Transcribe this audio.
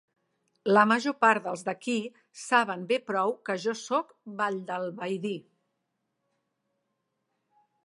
La major part dels d'aquí saben bé prou que jo sóc valldalbaidí.